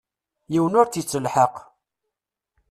Yiwen ur tt-ittelḥaq.